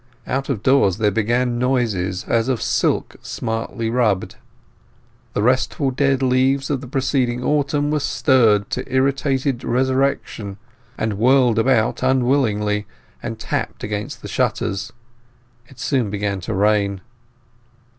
Out of doors there began noises as of silk smartly rubbed; the restful dead leaves of the preceding autumn were stirred to irritated resurrection, and whirled about unwillingly, and tapped against the shutters. It soon began to rain.